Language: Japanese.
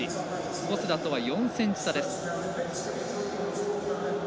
小須田とは４ｃｍ差です。